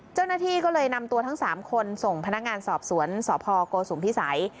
เจ้าหน้าที่ก็เลยนำตัวทั้ง๓คนส่งพนักงานสอบสวนสพโกสุมพิสัย